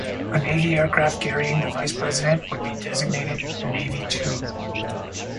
A Navy aircraft carrying the Vice President would be designated Navy Two.